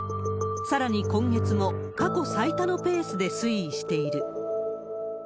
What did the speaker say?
さらに今月も、過去最多のペースで推移している。